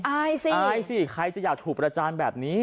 อายสิอายสิใครจะอยากถูกประจานแบบนี้